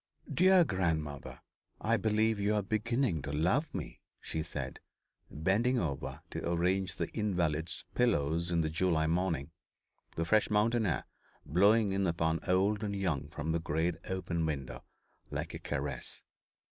'Dear grandmother, I believe you are beginning to love me,' she said, bending over to arrange the invalid's pillows in the July morning, the fresh mountain air blowing in upon old and young from the great open window, like a caress.